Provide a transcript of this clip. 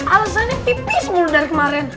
alasannya pipis mulu dari kemaren